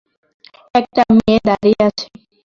একটা মেয়ে দাঁড়িয়ে আছে।